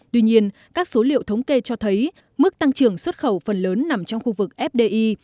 tuy nhiên các số liệu thống kê cho thấy mức tăng trưởng xuất khẩu phần lớn nằm trong khu vực fdi